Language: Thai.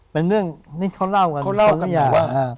เป็นเรื่องที่เขาเล่ากัน